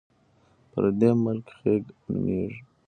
پردی ملک خیګ نومېږي.